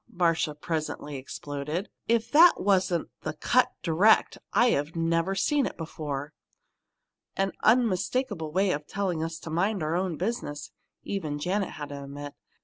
Marcia presently exploded. "If that wasn't the 'cut direct,' I've never seen it before!" "An unmistakable way of telling us to mind our own business!" even Janet had to admit.